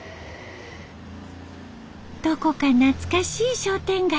どこか懐かしい商店街。